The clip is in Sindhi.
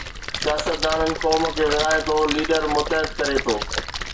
سياستدان قوم کي ورهائي ٿو، ليڊر متحد ڪري ٿو.